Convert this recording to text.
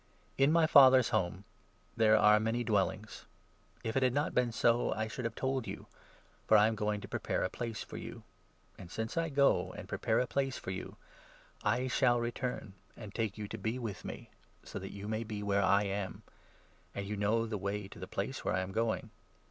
In my Father's Home 2 there are many dwellings. If it had not been so, I should have told you, for I am going to prepare a place for you. And, 3 since I go and prepare a place for you, I shall return and take you to be with me, so that you may be where I am ; and 4 you know the way to the place where I am going."